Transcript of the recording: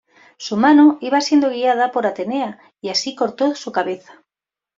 Su mano iba siendo guiada por Atenea y así cortó su cabeza.